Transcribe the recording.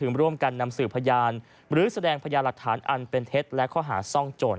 ร่วมกันนำสื่อพยานหรือแสดงพยานหลักฐานอันเป็นเท็จและข้อหาซ่องโจร